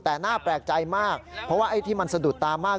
แต่น่าแปลกใจมากเพราะว่าไอ้ที่มันสะดุดตามาก